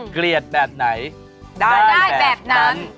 เกลียดแบบไหนได้แบบนั้น